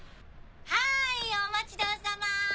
はいお待ちどおさま。